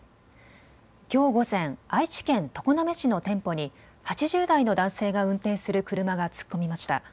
きょう午前、愛知県常滑市の店舗に８０代の男性が運転する車が突っ込みました。